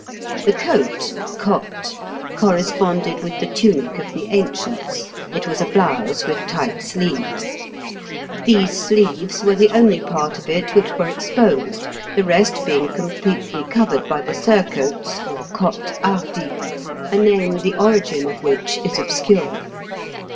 "The coat (cotte) corresponded with the tunic of the ancients, it was a blouse with tight sleeves. These sleeves were the only part of it which were exposed, the rest being completely covered by the surcoats, or cotte hardie, a name the origin of which is obscure.